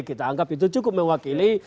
kita anggap itu cukup mewakili